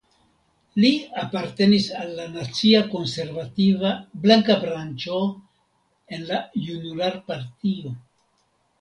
Li apartenis al la nacia konservativa "blanka branĉo" en la junularpartio.